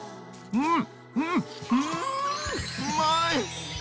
うん！